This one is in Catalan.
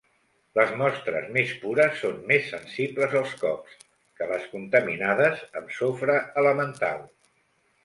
Les mostres més pures són més sensibles als cops que les contaminades amb sofre elemental.